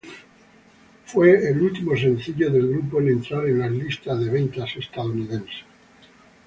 Fue el último sencillo del grupo en entrar en las listas de ventas estadounidenses.